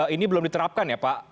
ini belum diterapkan ya pak